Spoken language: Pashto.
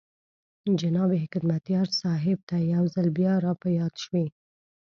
جناب حکمتیار صاحب ته یو ځل بیا را په یاد شوې.